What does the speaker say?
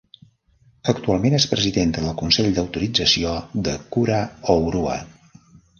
Actualment és presidenta del Consell d'Autorització de Kura Hourua.